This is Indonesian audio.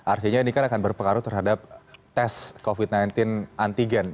artinya ini kan akan berpengaruh terhadap tes covid sembilan belas antigen